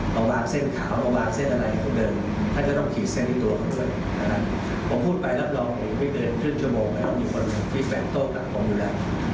ผมพูดไปรับรองว่าไม่เกินครึ่งชั่วโมงไม่ต้องมีคนที่แบ่งต้นกับความดูแล